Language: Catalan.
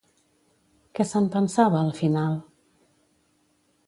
Què se'n pensava al final?